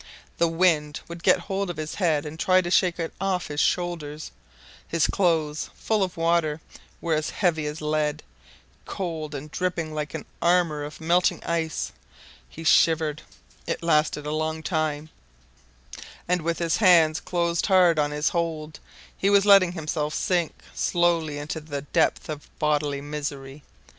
The wind would get hold of his head and try to shake it off his shoulders; his clothes, full of water, were as heavy as lead, cold and dripping like an armour of melting ice: he shivered it lasted a long time; and with his hands closed hard on his hold, he was letting himself sink slowly into the depths of bodily misery.